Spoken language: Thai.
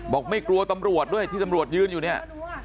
ไม่กลัวตำรวจด้วยที่ตำรวจยืนอยู่เนี่ย